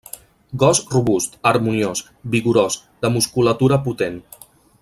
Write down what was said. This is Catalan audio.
Gos robust, harmoniós, vigorós, de musculatura potent.